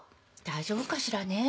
大丈夫かしらね。